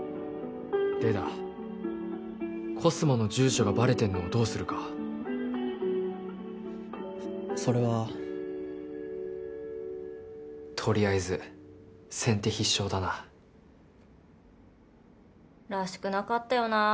でだコスモの住所がばれてんのをどうするかそれはとりあえず先手必勝だならしくなかったよなぁ